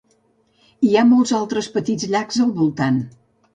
Hi ha molts altres petits llacs al voltant.